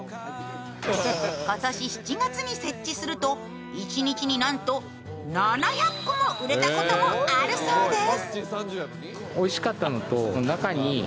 今年７月に設置すると一日になんと７００個も売れたこともあるそうです。